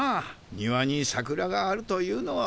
庭にサクラがあるというのは。